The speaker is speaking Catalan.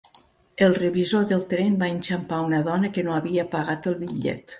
El revisor del tren va enxampar una dona que no havia pagat el bitllet.